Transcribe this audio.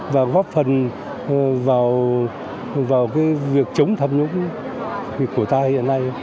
và góp phần vào việc chống tham nhũng của ta hiện nay